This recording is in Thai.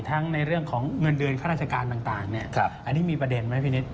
ในเรื่องของเงินเดือนข้าราชการต่างอันนี้มีประเด็นไหมพี่นิด